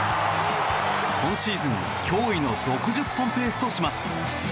今シーズン驚異の６０本ペースとします。